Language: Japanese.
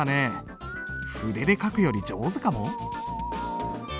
筆で書くより上手かも？